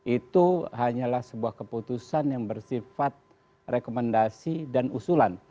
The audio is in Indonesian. itu hanyalah sebuah keputusan yang bersifat rekomendasi dan usulan